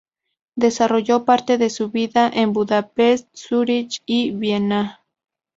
Desarrolló parte de su vida en Budapest, Zúrich y Viena.